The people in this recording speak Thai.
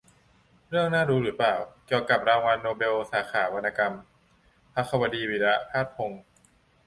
เรื่องน่ารู้ หรือเปล่า ? เกี่ยวกับรางวัลโนเบลสาขาวรรณกรรม - ภัควดี วีระภาสพงษ์